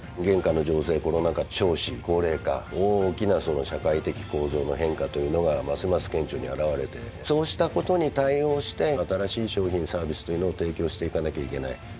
現下の情勢コロナ禍少子高齢化大きな社会的構造の変化というのがますます顕著に現れてそうしたことに対応して新しい商品サービスというのを提供していかなきゃいけない。